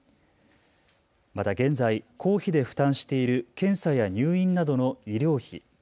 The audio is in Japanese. また現在、公費で負担している検査や入院などの医療費。